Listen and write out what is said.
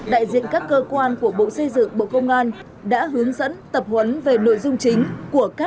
đại diện các cơ quan của bộ xây dựng bộ công an đã hướng dẫn tập huấn về nội dung chính của các